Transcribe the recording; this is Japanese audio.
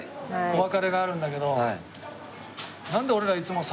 お別れがあるんだけど。